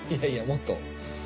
いやいやもっと。